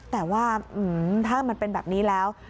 แต่ว่าถ้ามันเป็นแบบนี้แล้ว